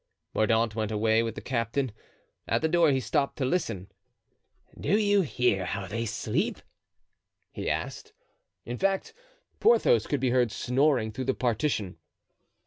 Mordaunt went away with the captain. At the door he stopped to listen. "Do you hear how they sleep?" he asked. In fact, Porthos could be heard snoring through the partition.